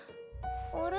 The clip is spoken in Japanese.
あれ？